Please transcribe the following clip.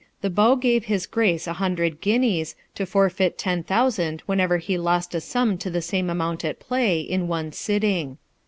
the Beau gave his Grace a hundred guineas, to forfeit ten thousand whenever he lost a sum to the same amount at play, in one sitting.